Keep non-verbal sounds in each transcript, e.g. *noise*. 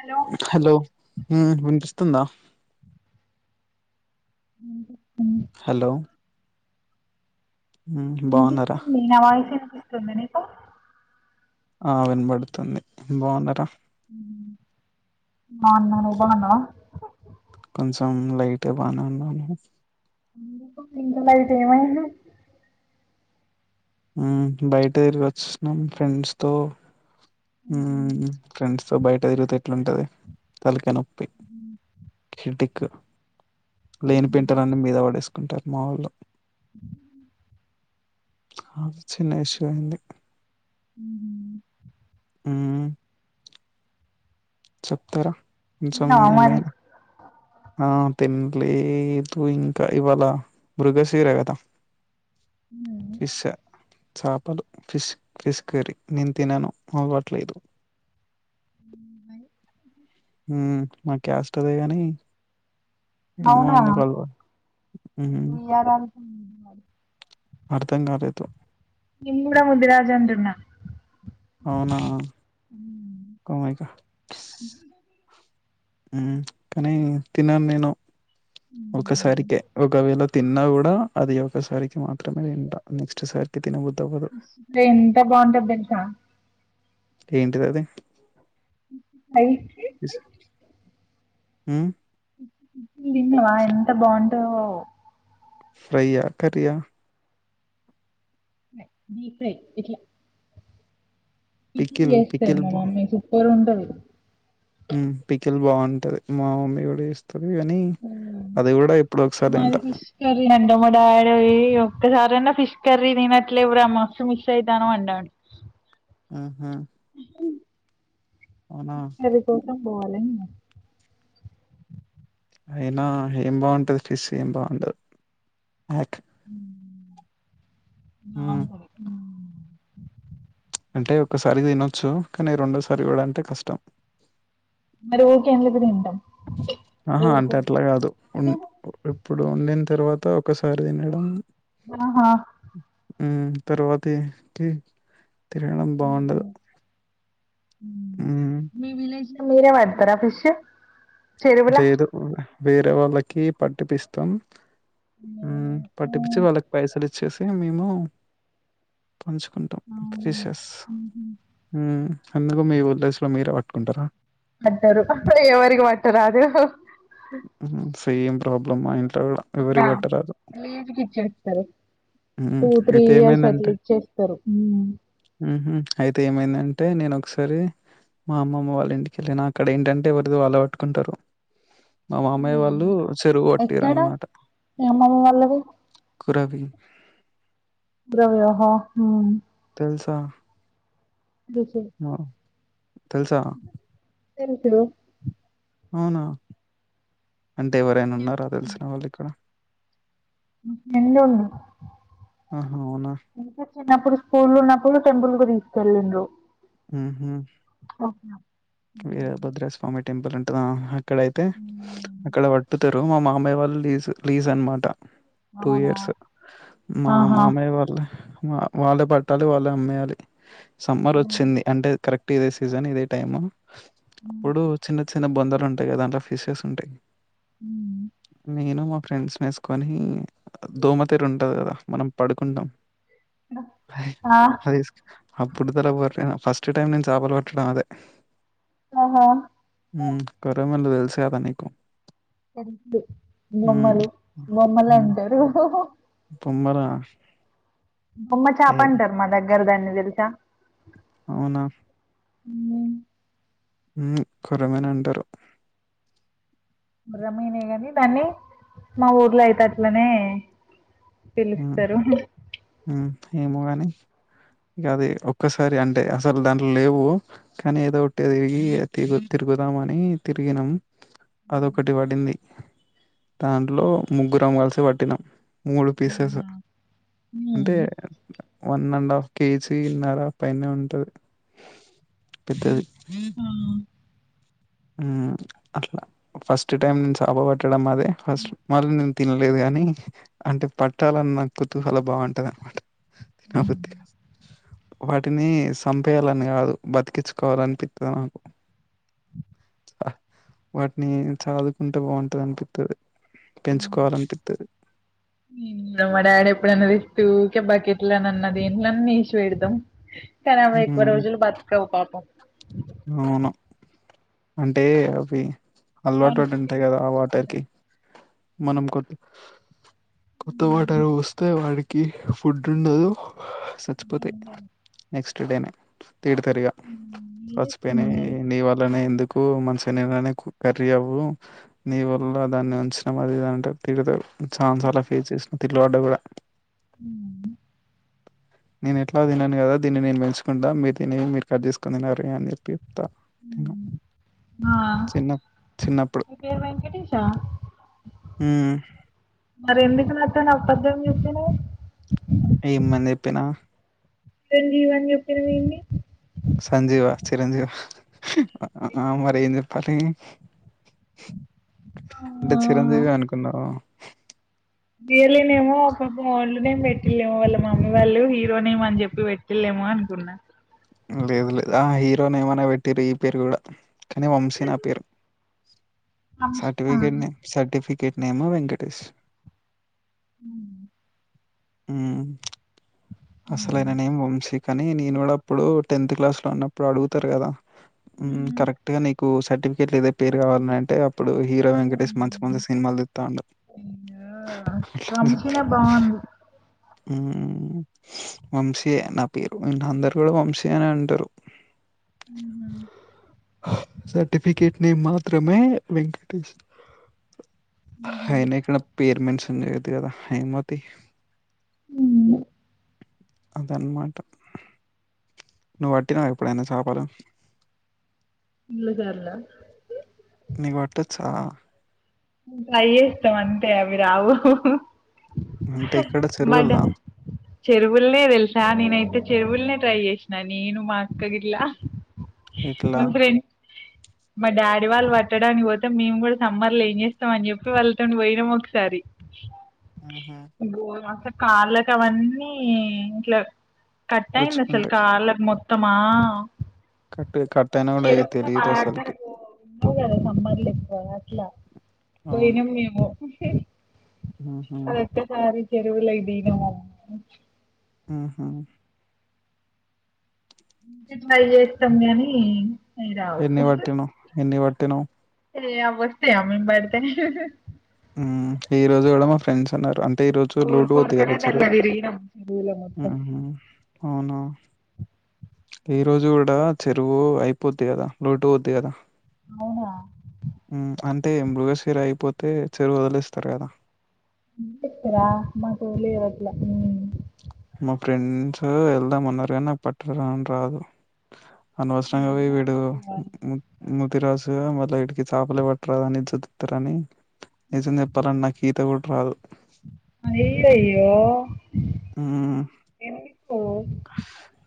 Hello hello హు విని పిస్తోంద హలో మ్మ్ బాగున్నారా వినిపిస్తుంది నా వాయిసు వినిపిస్తుంద నీకు ఆ వినబడుతుంది బావున్నారా బావున్నా నువ్వు బావున్నావా కొంచెం లైట్గా బానే ఉన్నాను ఎందుకు లైట్ ఏమైంది బయట తిరిగి వచ్చిన్నాం ఫ్రెండ్స్ తో ఫ్రెండ్స్ తో బయట తిరుగుతే ఎట్లాంటది తలకయి నొప్పి ప్పి హెడేక్ లేని పింటలు అన్ని మీద పడేసుకుంటారు మావోళ్ళు అ చిన్న ఇష్యూ అయింది ఉహు మ్మ్ చెప్తారా కొంచెం తిన్నావా మరి ఏమైనా ఆ తినలేదు ఇంకా ఇవాళ మృగశీరా కదా పిష్ చాపలు ఫిష్ ఫిష్ కర్రీ నేను తినను అలవాటు లేదు ఉమ్ వై ఉ మా క్యాస్ట్ అదే గాని ఏమో అవునా ఎందుకు అలవా హ్మ్. *unintelligible* అర్థం కాలేదు మేము కూడా *unintelligible* రాజు అంటున్నా కోమైకా స్ కానీ తినను నేను ఒకసారికే ఒకవేళ తిన్నా కూడా అది ఒకసారికి మాత్రమే తింటా నెక్స్ట్ సారికి తినబుద్ది రే ఎంత బాగుంటది తెలుసా ఏంటిది ఆది అయి ఊ విన్నవా ఎంత బాగుంటధో ఫ్రై యా కర్రీ ఆ ప్రై డీప్ ఫ్రై ఇట్లా పికిల్ చేస్తాది మా మమ్మీ సూపర్ ఉంటది ఉ పికిల్ బాగుంటది మా మమ్మీ కూడా చేస్త ఉ హ్మ్ అది కూడా మాది ఫిష్ కర్రి అండి మా డాడి ఒక్కసారైనా ఫిష్ కర్రీ తీనాట్లే వూర మస్తు మిస్ ఇతన్నావ్ అన్నాడు ఉహు అవునా బాలేను అయినా ఏం బాగుంటది ఫిష్ ఏం బాగుండాదు యాక్ ఉ హ్మ్ నార్మల్ ఉ అంటే ఒక్కసారి తినొచ్చు కానీ రెండోసారి కూడా అంటే కష్టం మరి ఊకే ఎందుకు తిను ఆహా అంటే అట్లా కాదు ఉన్ ఇప్పుడు వండిన తర్వాత ఒకసారి తినడం ఆహా ఉ తర్వాతికి తినడం బాగుండదు ఉ హ్మ్ మీ విలేజ లో మీరే పడతారా ఫిష్ చెరువుల లేదు వేరే వాళ్ళకి పట్టిపిస్తాం ఉ పట్టిపించి వాళ్ళకి పైసలు ఇచ్చేసి మేము పంచుకుంటాం అవునా ఫిషెస్ ఊ అందుకు మీ ఉద్దేశ లో మీరే పట్టుకుంటారా పట్టరు అక్కడ ఎవరికి పట్ట రాదు ఉహు సేమ్ ప్రాబ్లమ్ మా ఇంట్లో కూడా ఎవరి పట్టరాదు సరే హ్మ్ టూ త్రీ అయితే ఇయర్స్ అట్లా ఇచ్చేస్తారు ఉ ఉఉహు అయితే ఏమైందంటే నేను ఒకసారి మా అమ్మమ్మ వాళ్ళ ఇంటికి ఎల్లినా అక్కడ ఏంటంటే ఎవరిది వాళ్ళు పట్టుకుంటారు మా మామయ్య ఉమ్. వాళ్ళు చెరుగు కొట్టిరు ఎక్కడ అన్నమాట మీ అమ్మమ్మ వాళ్ళది రవి రవియోహా ఉమ్ దెల్సా దేకే తెలుసా తెలుసుప్పుడు అవునా అంటే ఎవరైనా ఉన్నారా దెలిసిన వాళ్ళు ఇక్కడ ఎందు ఉన్నా ఆహా అవునా చిన్నప్పుడు స్కూల్ ఉన్నప్పుడు టెంపుల్ కు తీసుకెళ్ళిండ్రు ఉమ్ హు ఓకే వీరభద్ర స్వామి టెంపుల్ ఉంటది ఆహా అక్కడైతే ఉమ్. అక్కడ పట్టుతరు మా మామయ్య వాళ్ళు లీజ్ లీజ్ అన్నమాట టూ అవునా ఇయర్స్ మా ఆహా మామయ్య వాళ్ళ వాళ్ళ బట్టలు వాళ్ళు అమ్మేయాలి సమ్మర్ ఉమ్. వచ్చింది అంటే కరెక్ట్ ఇదే సీజన్ ఇదే టైమ్ ఉమ్. అప్పుడు చిన్న చిన్న బొందలు ఉంటాయి గదా దాంట్లో ఫిషెస్ ఉంటాయి ఉమ్. నేను మా ఫ్రెండ్స్ నేసుకొని దోమతెరు ఉంటది గదా మనం పడుకుంటాం ఫైయ్ ఆ అదే యేస్ ఆ బురద పొర్లిన ఫస్ట్ టైం నేను చేపలు పట్టడం అదే ఆహా ఉమ్ కొరమళ్ళు దెలుసు గదా నీకు తెలుసు హ్మ్. బొమ్మలు బొమ్మలు అంటారు తొమ్మరా బొమ్మ చాప అంటారు మా దగ్గర దాన్ని దెలుసా అవునా ఉమ్ ఉమ్ కొర్రమీను అంటరు రమీనే గాని దాన్ని మా ఊర్లో అయితే అట్లనే పిలుస్తరు ఏమోగానీ ఇగ అది ఒక్కసారి అంటే అసలు దాంట్లో లేవు కానీ ఏదో ఒకటి తిరిగి తిగు తి తిరుగుదామని తిరిగినాం అదొకటి పడింది దాంట్లో ముగ్గురం గలిసి పట్టినాం మూడు పీసెస్ అవునా అంటే హ్మ్ వన్ అండ్ హాఫ్ కేజీన్నర పైనే ఉంటది పెద్దది ఆ ఉమ్ అట్లా ఫస్ట్ టైం నేను చాప పట్టడం అదే ఫస్ట్ మళ్ళీ నేను తినలేదు గాని అంటే పట్టాల న్న కుతూహలం బాగుంటది అన్నమాట తినబుద్ది గాదు వాటిని సంపేయాలని గాదు బతికించుకోవాలనిపిత్తది నాకు వాటిని సాదుకుంటే బాగుంటది అనిపిత్తది పెంచుకోవాలనిపిత్తది ఇంగ మా డాడీ ఎప్పుడన్నది ఊకే బాకీట్ల నన్నా దెంట్లన్నా ఏషి పెడతాం కరాబై ఎక్కువ మ్మ్ రోజులు బతకవు పాపం అవును అంటే అవి అలవాటు పడి ఉంటాయి గదా ఆ వాటర్ కి మనం కొది కొత్త వాటర్ పోస్తే వాడికి ఫుడ్ ఉండదు సచ్చిపోతే నెక్స్ట్ డేనే తిడుతరిగా ఏం చచ్చిపోయినై చేస్తున్నావ్ మరి నీ వాళ్ళనే ఎందుకు మంచి ననే కర్రీ అవు నీ వల్ల దాన్ని ఉంచిన అదింటే తిడుతరు చాలాసార్లు అలా ఫేస్ చేసిన తిట్లువాడ్డ కూడా ఉ నేను ఎట్లా తిన్నాను కదా దీన్ని నేను పెంచుకుంటా మీరు తినేవి మీరు కట్ చేసుకుని తినారే అని చెప్పి త ఆ మీరు వెంకటేశా మ్మ్ మరి ఎందుకు నాతోని అబద్ధం చెప్పినవ్ తినా చిరంజీవి అని చెప్పినవ్ ఏంది సంజీవ చిరంజీవ ఆ మరి ఏం చెప్పాలి అంటే చిరంజీవి అనుకున్నావా రియల్ నేమో పాపం ఓల్డ్ నేమ్ పెట్లేమో వాళ్ళ మమ్మీ వాళ్ళు ని అని చెప్పి పెట్టిల్లేమో అనుకున్నా లేదు లేదు ఆ హీరో నేమ్ అనే పెట్టిరు ఈ పేరు కూడా కానీ వంశీ నా పేరు అంష్కా సటిఫికేట్ సర్టిఫికేట్ నేమ్ వెంకటేష్ ఉ అసలైన నేమ్ వంశీ కానీ అని నేను కూడా ఇప్పుడు టెన్త్ క్లాస్లో ఉన్నప్పుడు అడుగుతారు కదా కరెక్ట్గా నీకు సర్టిఫికెట్లు ఏదై పేరు కావాలని అంటే అప్పుడు హీరో వెంకటేష్ మంచి మంచి సినిమాలు దిస్తాండు ఆ వంశీనే బాగుంది ఉమ్ వంశీ నే నా పేరు ఇపుడు కూడ వంశీ అనే అంటారు ఉహూ సర్టిఫికేట్ నేమ్ మాత్రమే వెంకటేష్ అయినా ఇక్కడ పేరు మెన్షన్ చెయ్యొద్దు కదా ఏమోతి ఉ అదన్నమాట నువ్వు పట్టినావ ఎప్పుడైనా సపాలు ఫుల్లుసార్ల నీకు పట్టొచ్చా ట్రై చేస్తాం అంతే అవి రావు అంటే ఇక్కడ మన చెరువుల్లా చెరువులనే తెలుసా నేనైతే చెరువులనే ట్రై చేసిన నేను మా అక్క గిట్ల ఇట్లా మా డాడీ వాళ్ళు పట్టడానికి పోతే మేము కూడా సమ్మర్ లో ఏం చేస్తాం అని చెప్పి వాళ్ళతో పోయినాం ఒకసారి హుహు. అబో అస కాళ్ళలకు అవన్నీ ఇట్లా కట్టా అయింది అసల్ గుచ్చుకుంటాయి. కాలకు మొత్తమా కట్ కట్ట ఐనా కూడా ఏం తెలియదు ఉన్నావు కదా సమ్మర్ల ఎక్కువ అట్లా అవును. పోయినాం మేము హుహు. అదొకేసారి చెరువులకు దిగినం అమ్మో ఆహా ట్రై చేస్తాం అవి రావు ఎన్ని పట్టినవు? ఎన్ని పట్టినవు? ఏ అవి వస్తేయా మేం పడితే ఈ రోజు కూడా మా ఫ్రెండ్స్ అన్నారు తె ఈ రోజు లోడు ఊరుకోరుకనే దయదాచరు దాంట్లో తిరిగినాం చెరువులో ఉ మొత్తం హు అవునా ఈ రోజు కూడా చెరువు అయిపోద్ది కదా లోడ్డు అవుద్ది కదా అవునా తే మృగసీర అయిపోతే చెరువు వదిలేస్తారు కదా ఇస్తరా మాకు లేవట్లా ఊ మా ఫ్రెండ్స్ వెళ్దామన్నారు కానీ నాకు పట్టరం రాదు అనవసరంగా పోయి వీడు ము ము తిరాసు మళ్ళీ ఇడికి చపలే పట్టురు రాదని చదుతారని నిజం చెప్పాలని నాకు ఈత కూడ అయ్యయో ఊ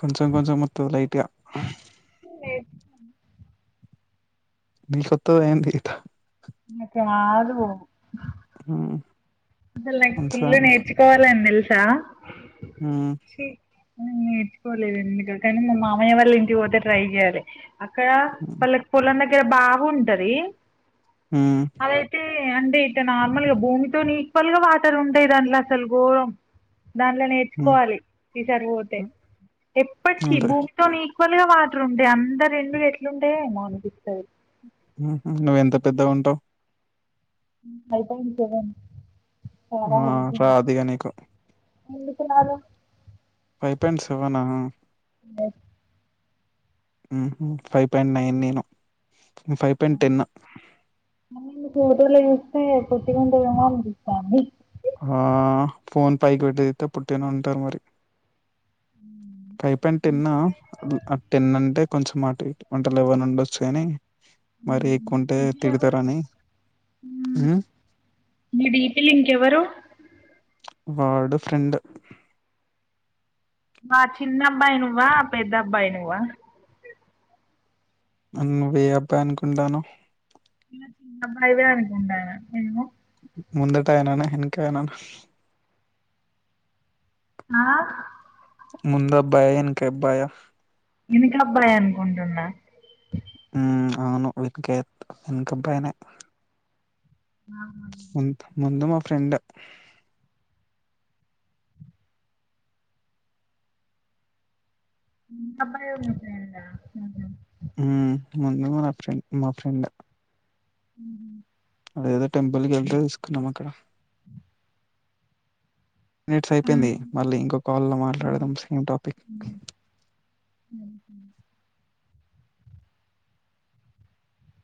కొంచం కొంచం మత్తులైదిగా నేర్చుకున్నా నీకొత్తదేంటి ఈత ను ఉ అసలు నాకు ఫుల్లు నేర్చుకోవాలని తెలుసా ఊ ఛీ నేర్చుకోలేదు ఎందుకొ కానీ మా మామయ్య వాళ్ళ ఇంటికి పోతే ట్రై చేయ్యాలి అక్కడ పల్లకి పొలం దగ్గర బావి ఉంటది మ్మ్ అదైతే అంటే ఇట్ట నార్మల్ గా భూమితో ని ఈక్వల్ గా వాటర్ ఉంటాయి దాంట్లో అసలు ఘోరం దాంట్లో మ్మ్ నేర్చుకోవాలి ఈసరిపోతే ఎప్పటికీ అంతే భూమితో నీ ఇక్వల్ గా వాటర్ ఉంటయి అంద రెండు ఎట్లు ఉంటయో ఏమో అనిపిస్తది ఉహు నువ్వెంత పెద్దగుంటావ్ ఫైవ్ పాయింట్ సెవెన్ చాలా ఆ హైట్ ఉంటా రాదు ఇగ నీకు ఎందుకు ఉన్నారు ఫైవ్ పాయింట్ సెవెనా లే ఉహు ఫైవ్ పాయింట్ నైన్ నేను నువ్ ఫైవ్ పాయింట్ టెన్ నేను ఫోటోలో చూస్తే పొట్టికుంటావేమో అనిపిస్తాంది ఆ ఫోన్ పైకి పెట్టి దిగితే పొట్టిగనే ఉంటారు మరి ఫైవ్ పాయింట్ టెన్ ఆ టెన్ అంటే కొంచెం మటు ఇటు అంటె లెవెన్ ఉండొచ్చు గానీ మరి ఎక్కువంటే తిడతరని ఉ మీ డీపిలో ఇంకెవ్వరు వాడు ఫ్రెండ్ మా చిన్న అబ్బాయి నువ్వా పెద్ద అబ్బాయి నువ్వా నువ్వే అబ్బాయి అనుకుంటాన్నావ్ అబ్బాయివే అనుకుంటాన్నా ఎమో ముందట అయననా వేనకాయననా ఆ ముందబ్బాయా ఎనకాబ్బాయా వెనక అబ్బాయి అనుకుంటున్నా ఉ అవును వినకేత్ వెనక అబ్బాయినే ఆ ముం ముందు మా ఫ్రెండ్ *unintelligible* ముందు మ ఫ్రండ్ మా ఫ్రెండ్ ఉ అదేదో టెంపుల్ కి వెళ్తే తీసుకున్నాం అక్కడ టెన్ మినిట్స్ అయిపోయింది మళ్ళీ ఇంకో కాల్ లో మాట్లాడదాం ఫ్రెండా సేమ్ టాపిక్ *inaudible*